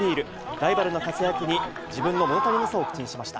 ライバルの活躍に、自分の物足りなさを口にしました。